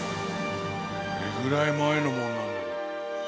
どれぐらい前のものなんだろう？